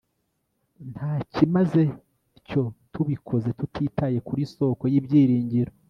nta cyimaze tyo tubikoze tutitaye kuri Sōko ylbyinngiro